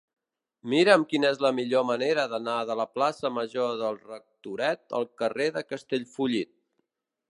Mira'm quina és la millor manera d'anar de la plaça Major del Rectoret al carrer de Castellfollit.